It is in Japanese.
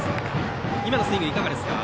今のスイング、いかがですか。